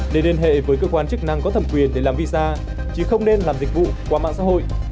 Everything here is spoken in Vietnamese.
nên liên hệ với cơ quan chức năng có thẩm quyền để làm visa chứ không nên làm dịch vụ qua mạng xã hội